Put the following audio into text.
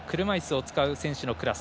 車いすを使う選手のクラス。